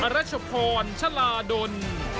รัชพรชะลาดล